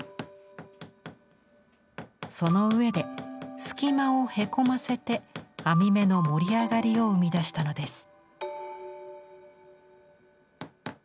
その上で隙間をへこませて網目の盛り上がりを生み出したのです。